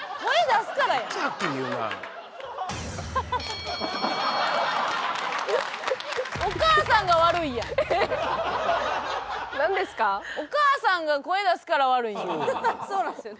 そうなんですよね。